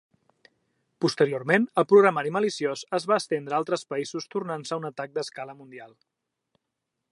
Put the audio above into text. Posteriorment el programari maliciós es va estendre a altres països tornant-se un atac d'escala mundial.